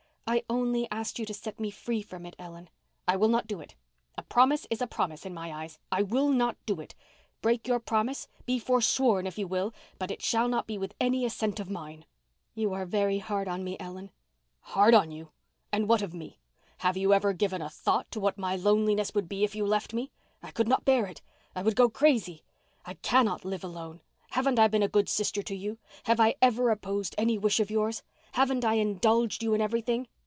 "I only asked you to set me free from it, Ellen." "I will not do it. A promise is a promise in my eyes. I will not do it. Break your promise—be forsworn if you will—but it shall not be with any assent of mine." "You are very hard on me, Ellen." "Hard on you! And what of me? Have you ever given a thought to what my loneliness would be here if you left me? I could not bear it—I would go crazy. I cannot live alone. Haven't I been a good sister to you? Have I ever opposed any wish of yours? Haven't I indulged you in everything?"